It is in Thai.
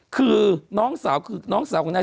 คือน้องสาวคือน้องสาวของนาย